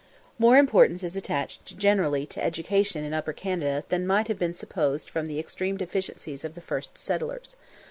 More importance is attached generally to education in Upper Canada than might have been supposed from the extreme deficiencies of the first settlers.